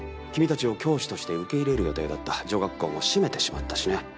君たちを教師として受け入れる予定だった女学校も閉めてしまったしね。